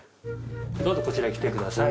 どうぞこちらへ来てください。